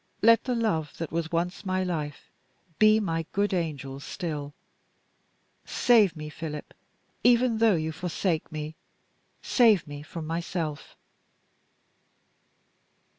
Let the love that was once my life, be my good angel still. Save me, Philip, even though you forsake me save me from myself!"